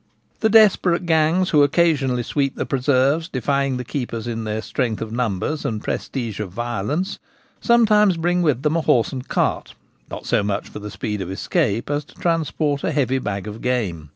The desperate gangs who occasionally sweep the preserves, defying the keepers in their strength of numbers and prestige of violence, sometimes bring with them a horse and cart, not so much for speed of escape as to transport a heavy bag of game.